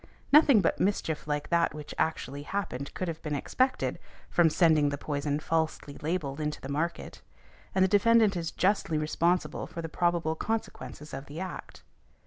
Nothing but mischief like that which actually happened could have been expected from sending the poison falsely labelled into the market, and the defendant is justly responsible for the probable consequences of the act.